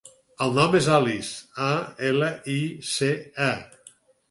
El nom és Alice: a, ela, i, ce, e.